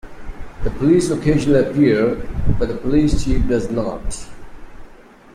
The police occasionally appear, but the police chief does not.